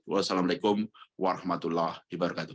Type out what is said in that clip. wassalamu alaikum warahmatullah wabarakatuh